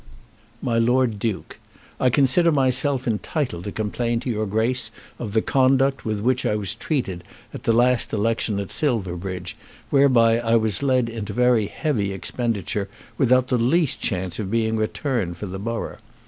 MY LORD DUKE, I consider myself entitled to complain to your Grace of the conduct with which I was treated at the last election at Silverbridge, whereby I was led into very heavy expenditure without the least chance of being returned for the borough.